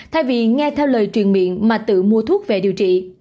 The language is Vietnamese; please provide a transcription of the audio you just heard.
thay vì nghe theo lời truyền miệng mà tự mua thuốc về điều trị